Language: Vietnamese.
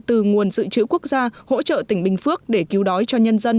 từ nguồn dự trữ quốc gia hỗ trợ tỉnh bình phước để cứu đói cho nhân dân